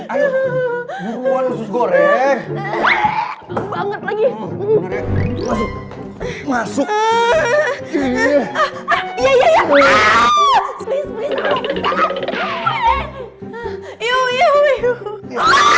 ayo jempol sus goreng banget lagi masuk masuk